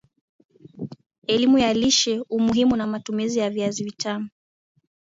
Elimu ya Lishe Umuhimu na Matumizi ya Viazi Vitamu